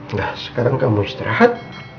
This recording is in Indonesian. nah sekarang kamu istirahat